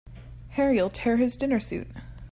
Harry'll tear his dinner suit.